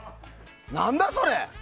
何だそれ！